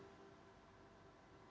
oke terima kasih pertanyaannya